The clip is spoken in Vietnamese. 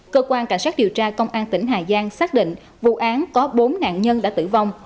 cơ quan cảnh sát điều tra công an tỉnh hà giang xác định vụ án có bốn nạn nhân đã tử vong